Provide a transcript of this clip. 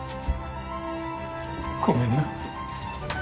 ごめんな